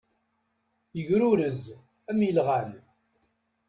Igrurez, am ilɣan.